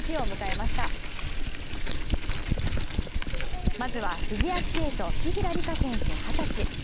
まずはフィギュアスケート紀平梨花選手、二十歳。